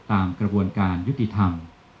ตามกระบวนการยุติธรรม